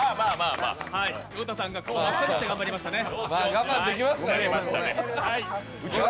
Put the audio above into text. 横田さんが顔を真っ赤にして頑張りましたね。